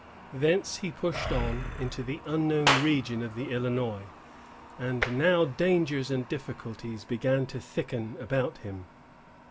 Thence he pushed on into the unknown region of the Illinois; and now dangers and difficulties began to thicken about him.